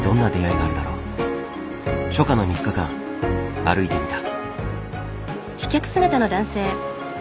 初夏の３日間歩いてみた。